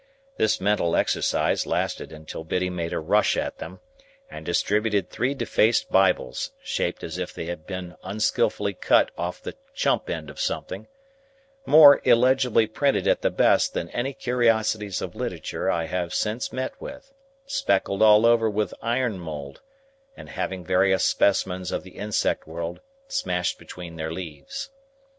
This mental exercise lasted until Biddy made a rush at them and distributed three defaced Bibles (shaped as if they had been unskilfully cut off the chump end of something), more illegibly printed at the best than any curiosities of literature I have since met with, speckled all over with ironmould, and having various specimens of the insect world smashed between their leaves.